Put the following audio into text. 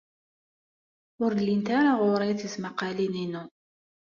Ur llint ara ɣer-i tesmaqqalin-inu.